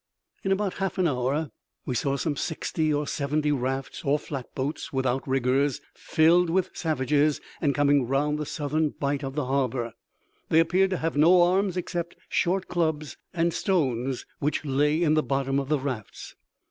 In about half an hour we saw some sixty or seventy rafts, or flatboats, without riggers, filled with savages, and coming round the southern bight of the harbor. They appeared to have no arms except short clubs, and stones which lay in the bottom of the rafts.